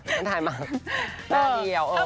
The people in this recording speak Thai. ฉันถ่ายมาหน้าเดียว